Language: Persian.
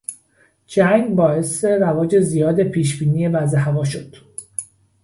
جنگ باعث رواج زیاد پیش بینی وضع هوا شد.